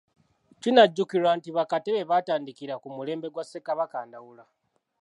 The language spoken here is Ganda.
Kinajjukirwa nti bakatebe baatandikira ku mulembe gwa Ssekabaka Ndawula.